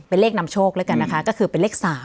เป็นเลขนำโชคแล้วกันนะคะก็คือเป็นเลข๓